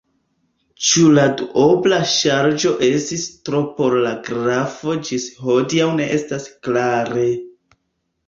Ĉu la duobla ŝarĝo estis tro por la grafo ĝis hodiaŭ ne estas klare.